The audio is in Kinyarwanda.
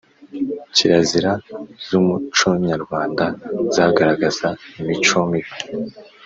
Kirazira z’umuconyarwanda zagaragaza imico mibi